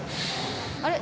あれ？